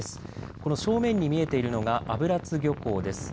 この正面に見えているのが油津漁港です。